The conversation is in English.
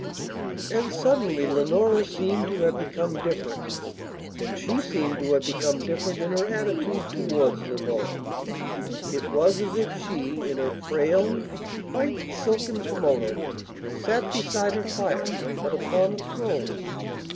And suddenly Leonora seemed to have become different and she seemed to have become different in her attitude towards Leonora. It was as if she, in her frail, white, silken kimono, sat beside her fire, but upon a throne.